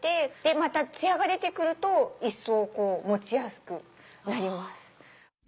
またつやが出てくると一層持ちやすくなります。